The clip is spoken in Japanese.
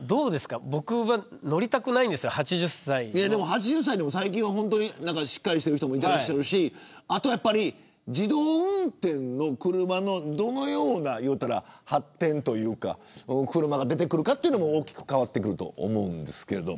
８０歳でも最近はしっかりしている人もいるし自動運転の車のどのような発展というか車が出てくるかにもよって大きく変わってくると思うんですけど。